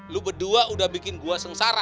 lo berdua udah bikin gue sengsara